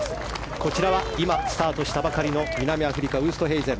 こちらは今、スタートしたばかりの南アフリカのウーストヘイゼン。